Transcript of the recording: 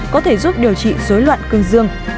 có thể giúp điều trị dối loạn gừng dương